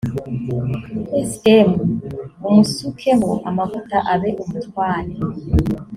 sm umusukeho amavuta abe umutware